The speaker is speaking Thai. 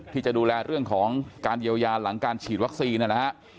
ที่จะดูแลเรื่องของการเยียวยาหลังการฉีดวัคซีนนะฮะ